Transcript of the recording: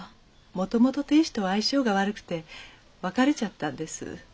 もともと亭主とは相性が悪くて別れちゃったんです。